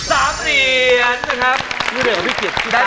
ได้ไป๕เหรียญแล้วนะครับ